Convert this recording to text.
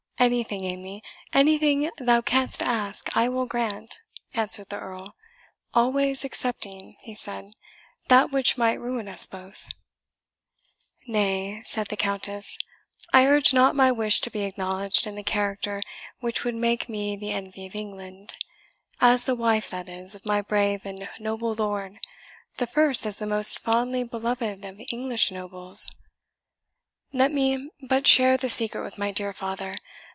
"Anything, Amy, anything thou canst ask I will grant," answered the Earl "always excepting," he said, "that which might ruin us both." "Nay," said the Countess, "I urge not my wish to be acknowledged in the character which would make me the envy of England as the wife, that is, of my brave and noble lord, the first as the most fondly beloved of English nobles. Let me but share the secret with my dear father!